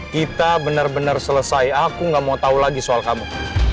kita bener bener selesai aku gak mau tau lagi soal kamu